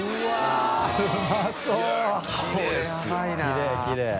きれいきれい。